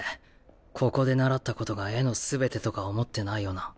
ここで習ったことが絵の全てとか思ってないよな？